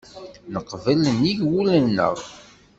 Neqbel nnig wul-nneɣ.